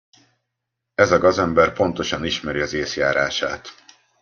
Ez a gazember pontosan ismeri az észjárását.